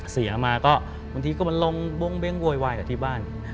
เสียมาก็บางทีก็มาลงบ้งเบ้งโวยวายกับที่บ้าน